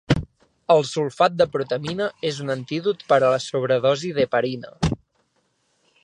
El sulfat de protamina és un antídot per a la sobredosi d'heparina.